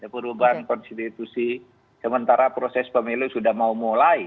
perubahan konstitusi sementara proses pemilu sudah mau mulai